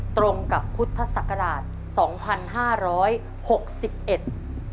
ตรงกับพุทธศักราช๒๕๖๑